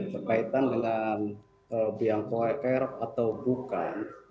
berkaitan dengan biang kerok atau bukan